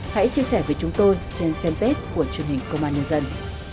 hãy chia sẻ với chúng tôi trên fanpage của truyền hình công an nhân dân